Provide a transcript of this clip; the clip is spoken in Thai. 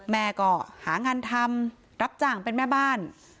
แม่ก็หางานทำรับจ้างเป็นแม่บ้าน